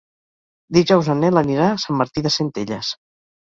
Dijous en Nel anirà a Sant Martí de Centelles.